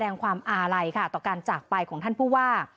แสดงความอาไรขัต่อการจากไปของท่านผู้ว่า